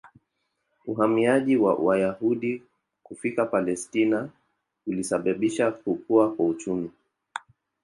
Uhamiaji wa Wayahudi kufika Palestina ulisababisha kukua kwa uchumi.